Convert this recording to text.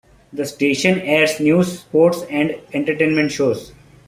The station airs news, sports, and entertainment shows.